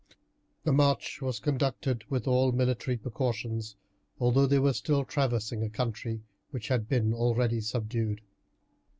The march was conducted with all military precautions, although they were still traversing a country which had been already subdued.